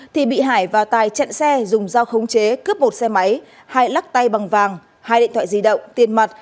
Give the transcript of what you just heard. thì bị hải và tài chặn xe dùng dao khống chế cướp một xe máy hai lắc tay bằng vàng hai điện thoại di động tiền mặt